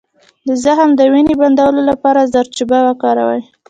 د زخم د وینې بندولو لپاره زردچوبه وکاروئ